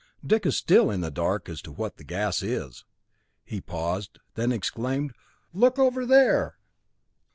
Dick is still in the dark as to what the gas is." He paused, then exclaimed: "Look over there!"